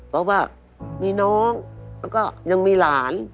เพราะว่ามีน้องแล้วก็ยังมีหลาน